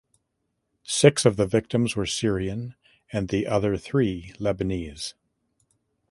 Six of the victims were Syrian and the other three Lebanese.